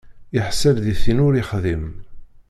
Iḥṣel di tin ur ixdim.